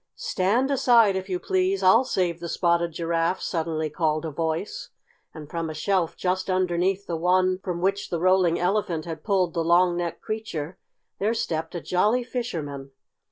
"Stand aside, if you please! I'll save the Spotted Giraffe!" suddenly called a voice, and from a shelf just underneath the one from which the Rolling Elephant had pulled the long necked creature there stepped a Jolly Fisherman.